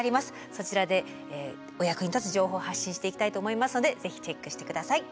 そちらでお役に立つ情報を発信していきたいと思いますのでぜひチェックして下さい。